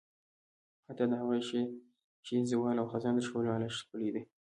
حتی د هغه شي زوال او خزان تر ښکلا لا ښکلی دی.